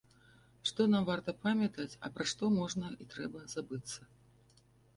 Што нам варта памятаць, а пра што можна і трэба забыцца.